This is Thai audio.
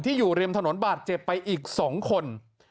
อยู่ริมถนนบาดเจ็บไปอีก๒คน